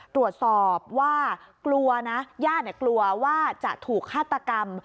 ตรวจสอบว่ากลัวนะญาติกลัวว่าจะถูกฆาตกรรม